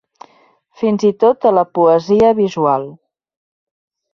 Fins i tot a la poesia visual.